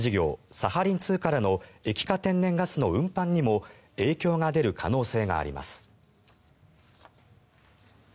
サハリン２からの液化天然ガスの運搬にも影響が出る可能性があります。